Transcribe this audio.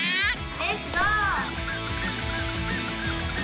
レッツゴー！